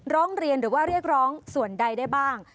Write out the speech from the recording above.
ร้องเรียนหรือว่าเรียกร้องส่วนใดได้บ้าง